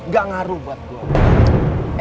gak ngaruh buat lo